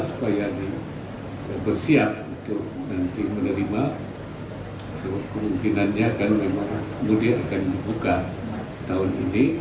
supaya bersiap untuk nanti menerima kemungkinannya kan memang mudik akan dibuka tahun ini